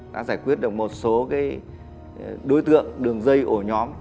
đã giải quyết được một số đối tượng đường dây ổ nhóm